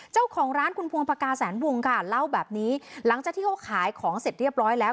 เจ้าของร้านคุณพวงภากาแสนวงค่ะเล่าแบบนี้หลังจากที่เขาขายของเสร็จเรียบร้อยแล้ว